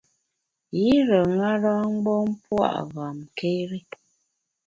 Yire ṅara-mgbom pua’ ghamkéri.